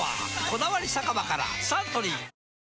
「こだわり酒場」からサントリー